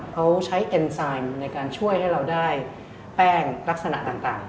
เขาใช้เอ็นไซด์ในการช่วยให้เราได้แป้งลักษณะต่าง